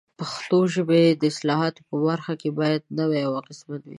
د پښتو ژبې د اصطلاحاتو په برخه کې باید نوي او اغېزمن